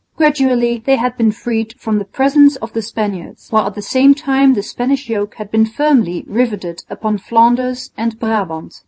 Gradually they had been freed from the presence of the Spaniard, while at the same time the Spanish yoke had been firmly riveted upon Flanders and Brabant.